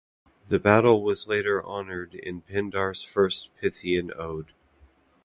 The battle was later honored in Pindar's first Pythian Ode.